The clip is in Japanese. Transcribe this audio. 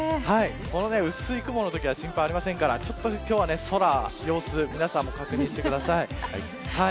薄い雲のときは心配がありませんからちょっと今日は空の様子皆さんも確認してください。